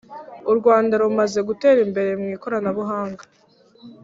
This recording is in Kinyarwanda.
Urwanda rumaze gutera imbere mwi koranabuhanga